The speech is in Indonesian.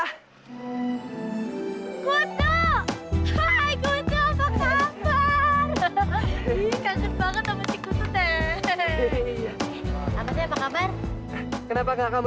hai asma kutu hai kutu apa kabar kaget banget sama si kutu teh apa kabar kenapa enggak kamu